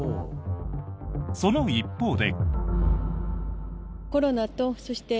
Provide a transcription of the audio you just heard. その一方で。